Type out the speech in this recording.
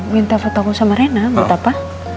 minta fotoku sama rena buat apa